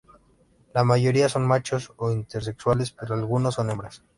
La mayoría son machos o intersexuales, pero algunos son hembras.